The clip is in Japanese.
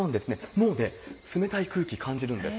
もうね、冷たい空気感じるんです。